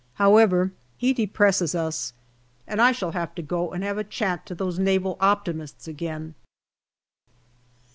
However, he depresses us, and I shall have to go and have a chat to those Naval optimists again.